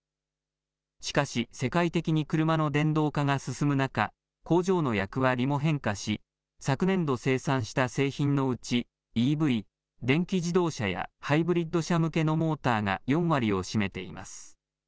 しかし、世界的に車の電動化が進む中、工場の役割も変化し、昨年度生産した製品のうち、ＥＶ・電気自動車やハイブリッド車向けのモーターが４割を占めています。